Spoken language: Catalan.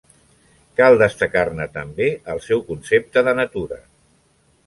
Cal destacar-ne també el seu concepte de natura.